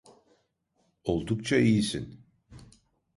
Oldukça iyisin.